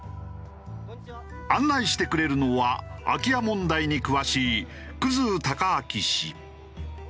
案内してくれるのは空き家問題に詳しい生貴昭氏。